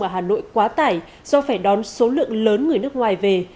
ở hà nội quá tải do phải đón số lượng lớn người nước ngoài về